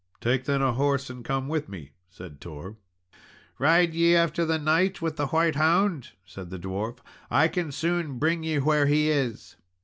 "Take then a horse, and come with me," said Tor. "Ride ye after the knight with the white hound?" said the dwarf; "I can soon bring ye where he is."